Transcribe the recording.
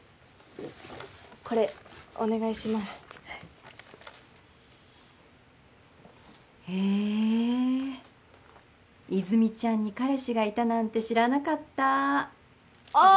これお願いしますへえ泉ちゃんに彼氏がいたなんて知らなかったああ